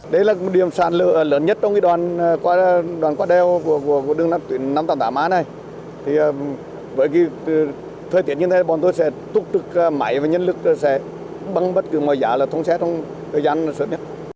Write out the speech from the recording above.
đây là điểm sạt lở lớn nhất trong đoàn qua đeo của đường năm trăm tám mươi tám a này với thời tiết như thế bọn tôi sẽ túc trực máy và nhân lực bằng bất cứ mọi giá là thông xét trong thời gian sớm nhất